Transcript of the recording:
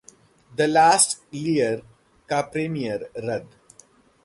'the last Lear' का premiere रद्द